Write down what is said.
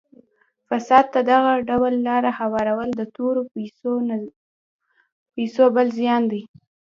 فساد ته دغه ډول لاره هوارول د تورو پیسو بل زیان دی.